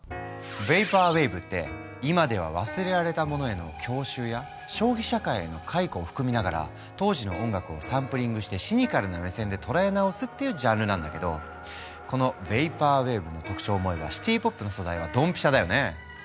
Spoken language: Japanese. ヴェイパーウェーブって今では忘れられたものへの郷愁や消費社会への回顧を含みながら当時の音楽をサンプリングしてシニカルな目線で捉え直すっていうジャンルなんだけどこのヴェイパーウェーブの特徴を思えばシティ・ポップの素材はドンピシャだよね。